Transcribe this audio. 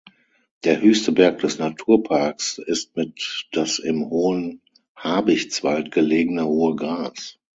Der höchste Berg des Naturparks ist mit das im Hohen Habichtswald gelegene Hohe Gras.